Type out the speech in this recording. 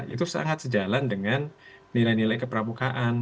itu sangat sejalan dengan nilai nilai kepramukaan